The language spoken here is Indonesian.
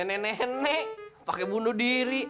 nenek nenek pakai bunuh diri